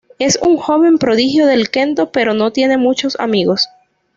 Es un joven prodigio del kendo pero no tiene muchos amigos.